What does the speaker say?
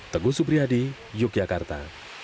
teguh subriyadi yogyakarta